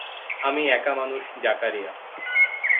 আমিও একা মানুষ জাকারিয়া।